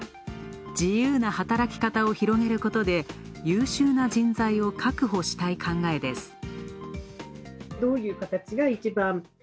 自由な働き方を広げることで、優秀な人材を確保したい考えです。